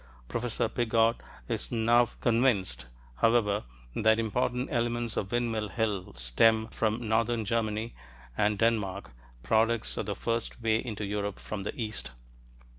Professor Piggott is now convinced, however, that important elements of Windmill Hill stem from northern Germany and Denmark products of the first way into Europe from the east.